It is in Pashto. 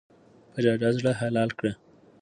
په ډاډه زړه حلال کړه.